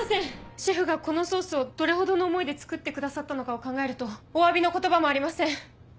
・シェフがこのソースをどれほどの思いで作ってくださったのかを考えるとお詫びの言葉もありません。